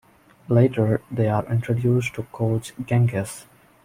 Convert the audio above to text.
Later, they are introduced to Coach Genghis.